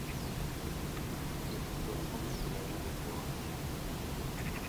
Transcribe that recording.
তিনি প্রথম সুলাইমানের বোন।